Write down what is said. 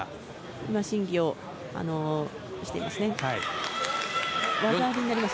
今、審議をしています。